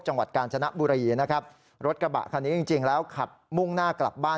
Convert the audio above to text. จังหวัดกาญจนบุรีนะครับรถกระบะคันนี้จริงจริงแล้วขับมุ่งหน้ากลับบ้าน